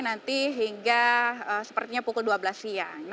nanti hingga sepertinya pukul dua belas siang